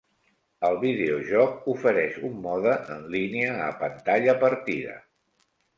El videojoc ofereix un mode en línia a pantalla partida.